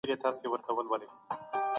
حق تل بریالی دی.